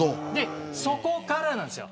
そこからなんです